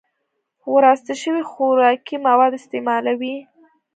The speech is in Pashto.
وراسته شوي خوراکي مواد استعمالوي